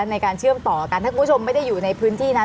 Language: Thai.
ในการเชื่อมต่อกันถ้าคุณผู้ชมไม่ได้อยู่ในพื้นที่นั้น